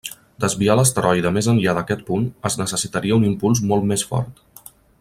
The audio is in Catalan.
Desviar l'asteroide més enllà d'aquest punt, es necessitaria un impuls molt més fort.